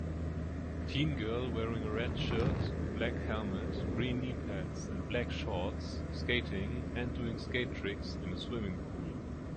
Teen girl wearing a red shirt black helmet green knee pads and black shorts skating and doing skate tricks in a swimming pool